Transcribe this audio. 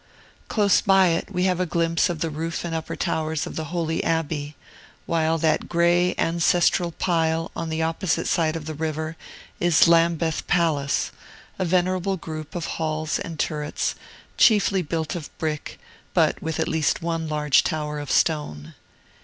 Close by it, we have a glimpse of the roof and upper towers of the holy Abbey; while that gray, ancestral pile on the opposite side of the river is Lambeth Palace, a venerable group of halls and turrets, chiefly built of brick, but with at least one large tower of stone.